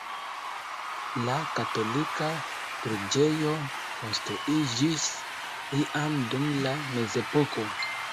La katolika preĝejo konstruiĝis iam dum la mezepoko.